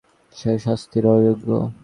সে শাস্তিরও অযোগ্য।